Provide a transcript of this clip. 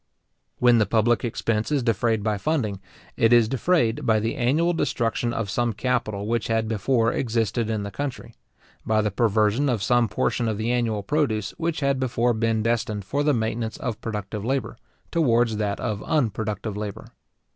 When the public expense is defrayed by funding, it is defrayed by the annual destruction of some capital which had before existed in the country; by the perversion of some portion of the annual produce which had before been destined for the maintenance of productive labour, towards that of unproductive labour.